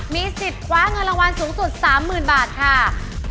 มีสิทธิ์คว้าเงินรางวัลสูงสุด๓๐๐๐บาทค่ะ